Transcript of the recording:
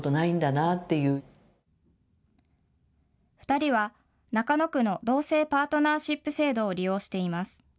２人は中野区の同性パートナーシップ制度を利用しています。